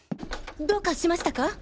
どうかしましたか？